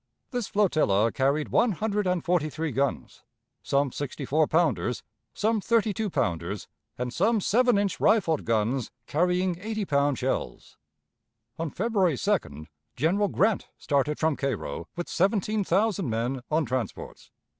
This flotilla carried one hundred and forty three guns, some sixty four pounders, some thirty two pounders, and some seven inch rifled guns carrying eighty pound shells. On February 2d General Grant started from Cairo with seventeen thousand men on transports.